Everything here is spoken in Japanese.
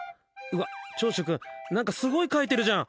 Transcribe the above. うわっ、長州くん、何かすごい書いてるじゃん！